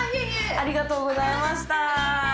ありがとうございます。